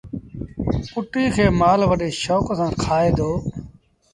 ڪُٽي کي مآل وڏي شوڪ سآݩ کآئي دو۔